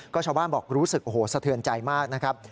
ชาวบ้านบอกรู้สึกโอ้โหสะเทือนใจมากนะครับ